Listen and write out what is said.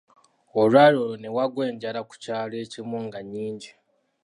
Olwali olwo ne wagwa enjala ku kyalo ekimu nga nnyingi.